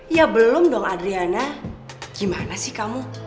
ya belum dong adriana gimana sih kamu